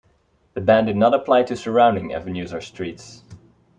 The ban did not apply to surrounding avenues or streets.